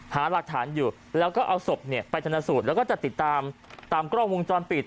หาหลักฐานอยู่แล้วก็เอาศพเนี่ยไปชนสูตรแล้วก็จะติดตามตามกล้องวงจรปิด